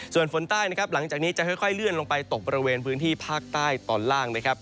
ส่วนฝนใต้นะครับหลังจากนี้จะค่อยเลื่อนลงไปตกบริเวณพื้นที่ภาคใต้ตอนล่างนะครับ